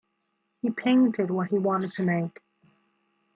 He painted what he wanted to make.